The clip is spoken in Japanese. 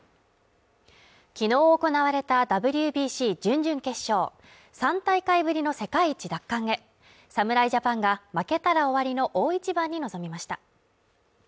昨日行われたＷＢＣ準々決勝３大会ぶりの世界一奪還へ、侍ジャパンが負けたら終わりの大一番に臨みました。